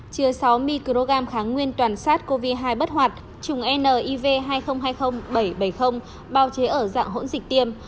chứa sáu mg kháng nguyên toàn sát covid hai bất hoạt trùng niv hai triệu hai mươi nghìn bảy trăm bảy mươi bao chế ở dạng hỗn dịch tiêm